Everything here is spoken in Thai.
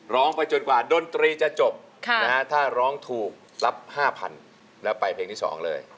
ร้องไปจนกว่าดนตรีจะจบถ้าร้องถูกรับ๕๐๐๐แล้วไปเพลงที่๒เลย